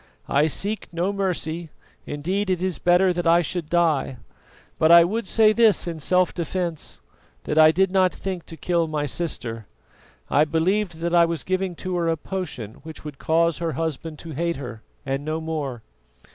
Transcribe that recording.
I seek no mercy; indeed, it is better that I should die; but I would say this in self defence, that I did not think to kill my sister. I believed that I was giving to her a potion which would cause her husband to hate her and no more."